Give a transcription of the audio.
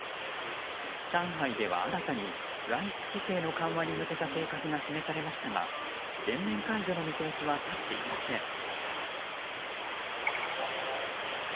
上海では新たに外出規制の緩和に向けた計画が示されましたが全面解除の見通しは立っていません。